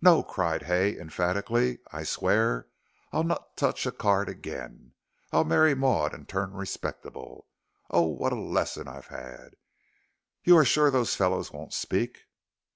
"No," cried Hay, emphatically, "I swear I'll not touch a card again. I'll marry Maud and turn respectable. Oh, what a lesson I've had! You are sure those fellows won't speak?"